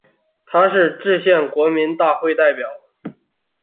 他是制宪国民大会代表。